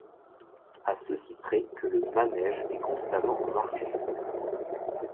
À ceci près que le manège est constamment en marche!